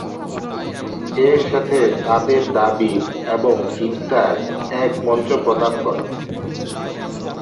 এর সাথে তাঁদের দাবী এবং চিন্তার এক মঞ্চ প্রদান করা।